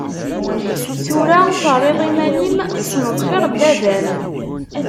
Tura terriḍ iman-im tessneḍ xir n baba-m.